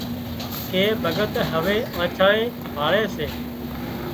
ڪي ڀڳت هوي آنڇانئي ڀاۯي سي